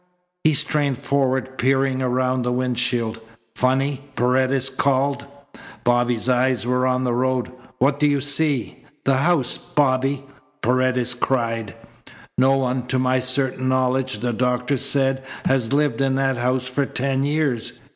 He strained forward, peering around the windshield. "Funny!" Paredes called. Bobby's eyes were on the road. "What do you see?" "The house, Bobby!" Paredes cried. "No one, to my certain knowledge," the doctor said, "has lived in that house for ten years.